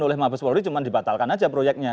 oleh mabeswori cuma dibatalkan aja proyeknya